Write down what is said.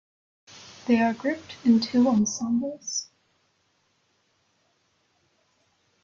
They are grouped in two ensembles.